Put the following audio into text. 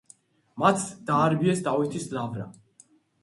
მათ დაარბიეს დავითის ლავრა.